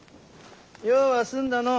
用は済んだのう？